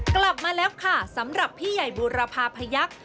กลับมาแล้วค่ะสำหรับพี่ใหญ่บูรพาพยักษ์